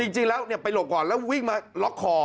จริงแล้วไปหลบก่อนแล้ววิ่งมาล็อกคอ